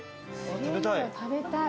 食べたい。